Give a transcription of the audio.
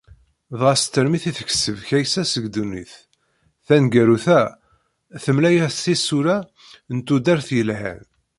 Dɣa s termit i tekseb Kaysa seg ddunit, taneggarut-a temla-as tisura n tudert yelhan.